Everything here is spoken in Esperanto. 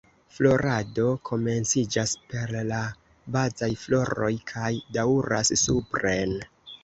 Florado komenciĝas per la bazaj floroj kaj daŭras supren.